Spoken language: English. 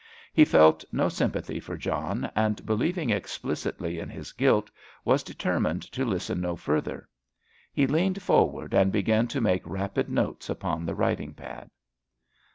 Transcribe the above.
He felt no sympathy for John, and believing explicitly in his guilt, was determined to listen no further. He leaned forward and began to make rapid notes upon the writing pad.